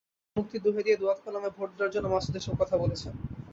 বাবার মুক্তির দোহাই দিয়ে দোয়াত-কলমে ভোট দেওয়ার জন্য মাসুদ এসব কথা বলেছেন।